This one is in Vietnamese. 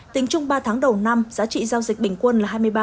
tính chung ba tháng đầu năm giá trị giao dịch bình quân là